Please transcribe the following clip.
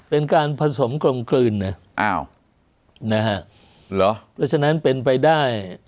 เป็นการผสมกลมกลืนนะอ้าวนะฮะเหรอเพราะฉะนั้นเป็นไปได้